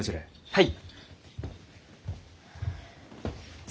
はい。